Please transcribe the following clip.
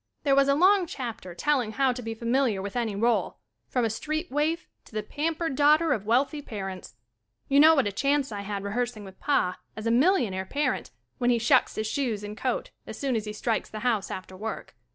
There was a long chapter telling how to be familiar with "Mollie of the Movies" 105 any role — from a street waif to the pamp ered daughter of wealthy parents. You know what a chance 1 had rehears ing with Pa as a millionaire parent when he shucks his shoes and coat as soon as he strikes the house after work.